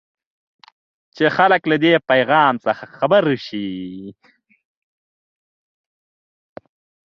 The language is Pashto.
چې خلک له دې پيفام څخه خبر شي.